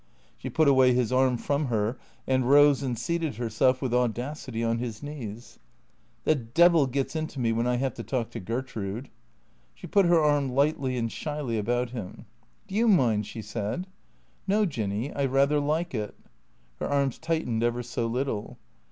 She put away his arm from her and rose and seated herself with audacity on his knees. " The devil gets into me when I have to talk to Gertrude." She put her arm lightly and shyly about him. " Do you mind ?" she said. " No, Jinny, I rather like it." Her arms tightened ever so little.